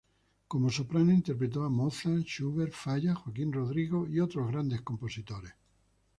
Como soprano interpretó a Mozart, Schubert, Falla, Joaquín Rodrigo y otros grandes compositores.